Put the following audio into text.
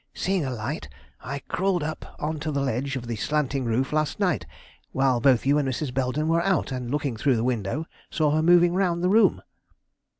Seeing a light, I crawled up on to the ledge of the slanting roof last night while both you and Mrs. Belden were out, and, looking through the window, saw her moving round the room."